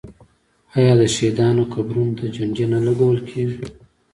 آیا د شهیدانو قبرونو ته جنډې نه لګول کیږي؟